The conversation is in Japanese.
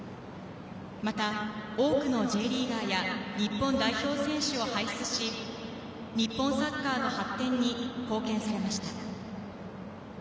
また多くのＪリーガーや日本代表選手を輩出し、日本サッカーの発展に貢献されました。